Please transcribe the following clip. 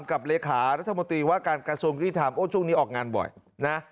เลขารัฐมนตรีว่าการกระทรวงยุติธรรมโอ้ช่วงนี้ออกงานบ่อยนะ